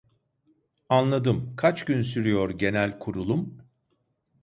Anladım kaç gün sürüyor genel kurulum